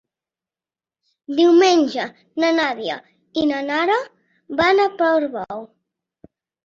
Diumenge na Nàdia i na Nara van a Portbou.